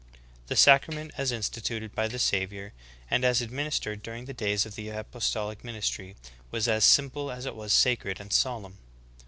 The sacrament, as instituted by the Savior and as administered during the days of the apostolic ministry, was as simple as it was sacred and solemn.